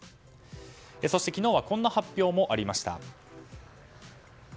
そして昨日はこんな発表もありました。